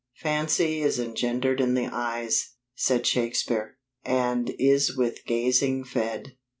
Fancy is engendered in the eyes, said Shakespeare, and is with gazing fed.